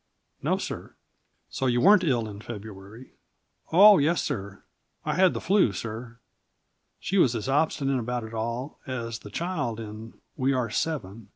"No, sir." "So you weren't ill in February?" "Oh yes, sir; I had the 'flu, sir." She was as obstinate about it all as the child in We are Seven.